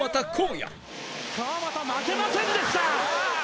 実況：川真田負けませんでした！